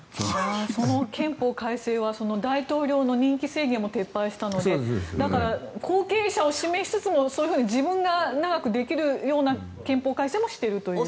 その憲法改正は大統領の任期制限も撤廃したのでだから後継者を指名しつつもそういうふうに自分が長くできるような憲法改正もしていると。